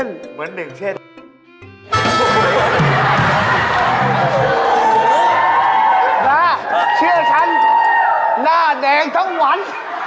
น่าเชื่อฉันหน้าแดงทั้งวัน